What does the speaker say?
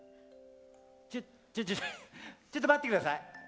ちょちょちょっと待ってください。